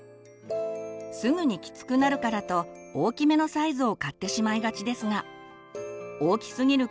すぐにきつくなるからと大きめのサイズを買ってしまいがちですが大きすぎる